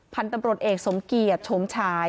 พันธุ์ตำรวจเอกสมเกียจโฉมฉาย